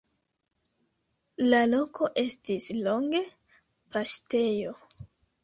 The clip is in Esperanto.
La loko estis longe paŝtejo.